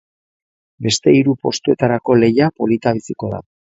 Beste hiru postuetarako lehia polita biziko da.